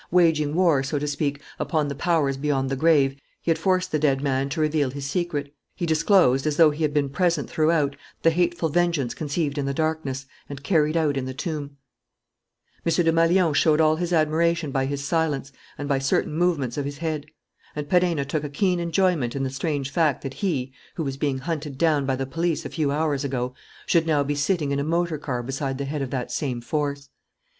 Waging war, so to speak, upon the powers beyond the grave, he had forced the dead man to reveal his secret. He disclosed, as though he had been present throughout, the hateful vengeance conceived in the darkness and carried out in the tomb. M. Desmalions showed all his admiration by his silence and by certain movements of his head. And Perenna took a keen enjoyment in the strange fact that he, who was being hunted down by the police a few hours ago, should now be sitting in a motor car beside the head of that same force.